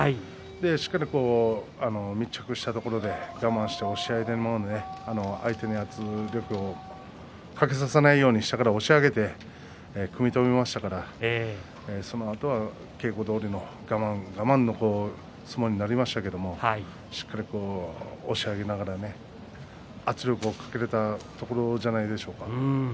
しっかり密着したところで我慢して押し合いで相手に圧力をかけさせないようにして下から押し上げて組み止めましたからそのあとは稽古どおりの我慢我慢の相撲になりましたけれどもしっかり押し上げながら圧力をかけられたところじゃないでしょうか。